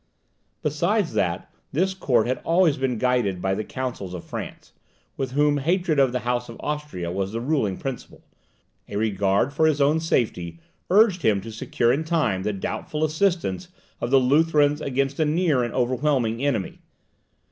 Besides that this court had always been guided by the counsels of France, with whom hatred of the House of Austria was the ruling principle, a regard for his own safety urged him to secure in time the doubtful assistance of the Lutherans against a near and overwhelming enemy.